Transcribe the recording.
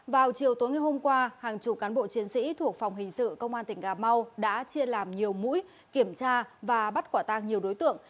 vào chiều tối ngày hôm qua hàng chục cán bộ chiến sĩ thuộc phòng hình sự công an tỉnh gà mau đã chia làm nhiều mũi kiểm tra và bắt quả tăng nhiều đối tượng